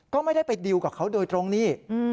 ก็ไม่ได้ไปดิวกับเขาโดยตรงนี้